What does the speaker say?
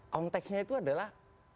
konteksnya itu adalah